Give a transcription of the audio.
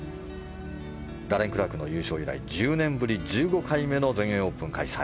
ダレン・クラークの優勝以来１０年ぶり１５回目の全英オープン開催。